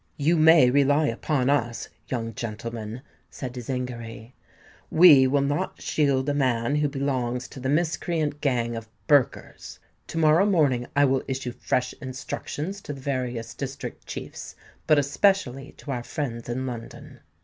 "You may rely upon us, young gentleman," said Zingary. "We will not shield a man who belongs to the miscreant gang of Burkers. To morrow morning I will issue fresh instructions to the various district chiefs, but especially to our friends in London."